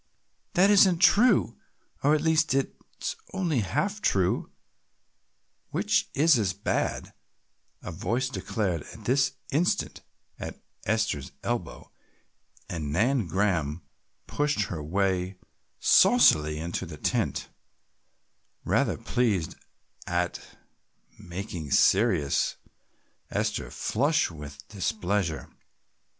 "That isn't true, or at least it is only half true, which is as bad," a voice declared at this instant at Esther's elbow, and Nan Graham pushed her way saucily into the tent, rather pleased at making serious Esther flush with displeasure.